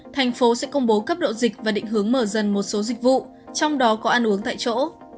thành phố sẽ công bố cấp độ dịch và định hướng mở dần một số dịch vụ trong đó có ăn uống tại chỗ